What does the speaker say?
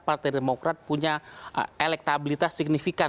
partai demokrat punya elektabilitas signifikan